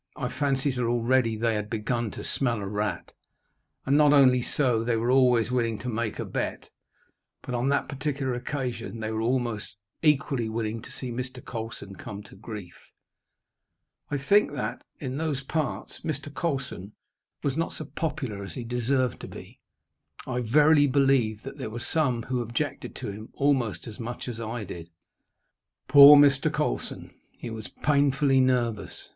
I fancy that already they had begun to smell a rat. And not only so; they were always willing to "make a bet." But on that particular occasion they were almost equally willing to see Mr. Colson come to grief. I think that, in those parts, Mr. Colson was not so popular as he deserved to be. I verily believe that there were some who objected to him almost as much as I did. Poor Mr. Colson! He was painfully nervous.